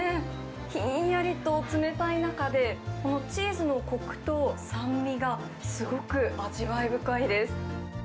ひんやりと冷たい中で、このチーズのこくと酸味が、すごく味わい深いです。